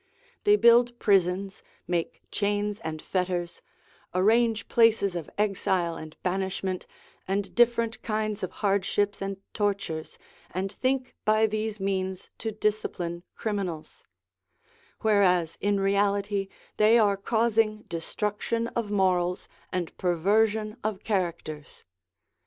They build prisons, make chains and fetters, arrange places of exile and banishment, and different kinds of hardships and tortures, and think by these means to discipline criminals ; whereas, in reality, they are causing destruction of morals and perversion of characters.